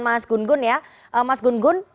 mas gungun ya mas gungun